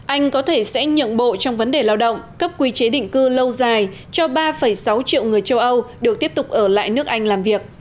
anh có thể sẽ nhượng bộ trong vấn đề lao động cấp quy chế định cư lâu dài cho ba sáu triệu người châu âu được tiếp tục ở lại nước anh làm việc